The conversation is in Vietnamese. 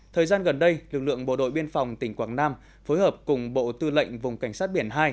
thời gian gần đây lực lượng bộ đội biên phòng tỉnh quảng nam phối hợp cùng bộ tư lệnh vùng cảnh sát biển hai